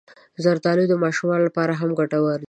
زردالو د ماشومانو لپاره هم ګټور دی.